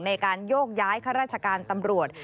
ในการโยกย้ายข้าราชการตำรวจ